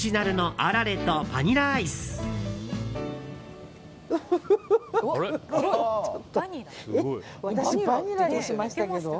私、バニラにしましたけど。